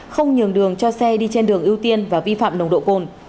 không nhường đường cho xe đi trên đường ưu tiên và vi phạm nồng độ cồn